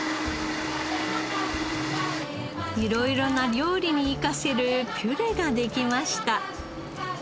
色々な料理に生かせるピュレができました。